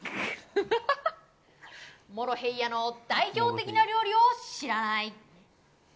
モロヘイヤの代表的な料理を知らない。